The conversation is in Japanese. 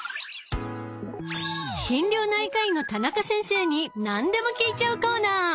心療内科医の田中先生に何でも聞いちゃうコーナー！